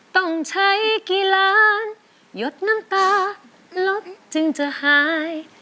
ต้องใช้กี่ล้านหยดน้ำตาลบจึงจะหาย